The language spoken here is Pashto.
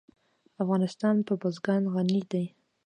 افغانستان په بزګان غني دی.